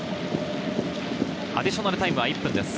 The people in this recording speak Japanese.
アディショナルタイムは１分です。